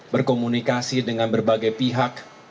berkomunikasi dengan berbagai pihak